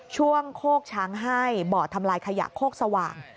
โคกช้างให้บ่อทำลายขยะโคกสว่าง